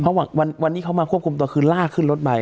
เพราะวันนี้เขามาควบคุมตัวคือลากขึ้นรถไป